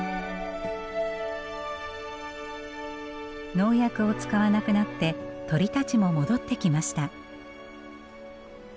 農薬を使わなくなって鳥たちも戻ってきました。